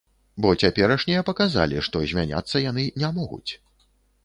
Бо цяперашнія паказалі, што змяняцца яны не могуць.